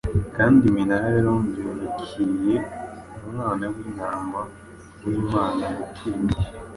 kandi iminara ya Londire Yakiriye Umwana w'intama w'Imana gutura